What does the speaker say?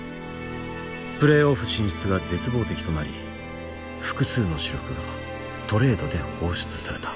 プレーオフ進出が絶望的となり複数の主力がトレードで放出された。